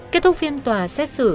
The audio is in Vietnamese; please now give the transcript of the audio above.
kết thúc phiên tòa xét xử